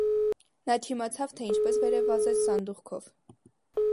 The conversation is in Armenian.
Նա չիմացավ, թե ինչպես վերև վազեց սանդուղքով: